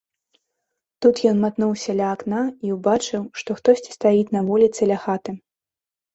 Тут ён матнуўся ля акна і ўбачыў, што хтосьці стаіць на вуліцы ля хаты.